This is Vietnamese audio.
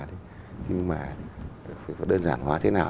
nhưng mà đơn giản hóa thế nào